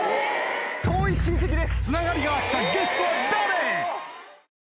遠い親戚です。